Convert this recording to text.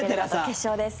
決勝です。